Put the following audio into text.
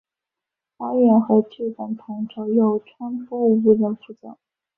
导演和剧本统筹由川波无人负责。